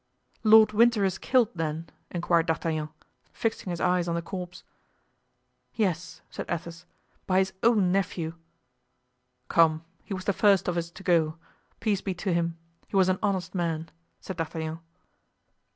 "Lord Winter is killed, then?" inquired D'Artagnan, fixing his eyes on the corpse. "Yes," said Athos, "by his own nephew." "Come, he was the first of us to go; peace be to him! he was an honest man," said D'Artagnan.